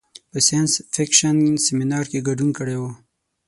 په ساینس فکشن سیمنار کې ګډون کړی و.